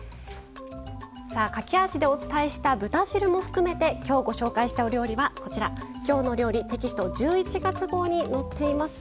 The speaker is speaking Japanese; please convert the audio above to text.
駆け足でお伝えした豚汁も含めて今日、ご紹介したお料理は「きょうの料理」テキスト１１月号に載っています。